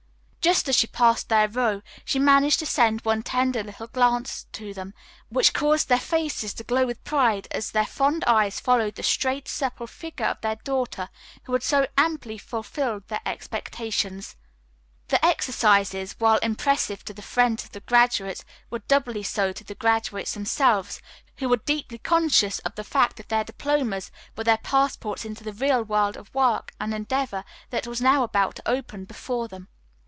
Just as she passed their row she managed to send one tender little glance to them, which caused their faces to glow with pride as their fond eyes followed the straight, supple figure of their daughter who had so amply fulfilled their expectations. The exercises, while impressive to the friends of the graduates, were doubly so to the graduates themselves, who were deeply conscious of the fact that their diplomas were their passports into the real world of work and endeavor that was now about to open before them.